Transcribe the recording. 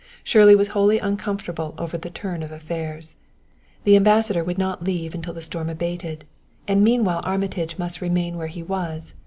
Shirley was wholly uncomfortable over the turn of affairs. The Ambassador would not leave until the storm abated, and meanwhile Armitage must remain where he was.